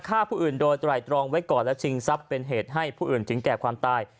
ฆ่าผู้อื่นโดยไตรตรองไว้ก่อนและชิงทรัพย์เป็นเหตุให้ผู้อื่นถึงแก่ความตาย